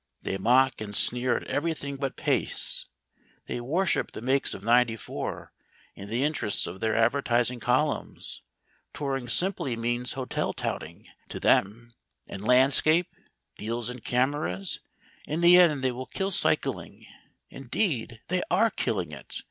They mock and sneer at everything but pace; they worship the makes of '94 in the interests of their advertising columns; touring simply means hotel touting to them, and landscape, deals in cameras; in the end they will kill cycling indeed, they are killing it.